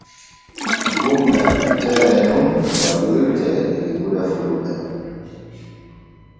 Gumme e keeɗe nun gollirte der gure fulɓe.